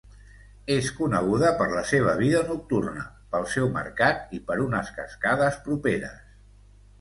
És coneguda per la seva vida nocturna, pel seu mercat i per unes cascades properes.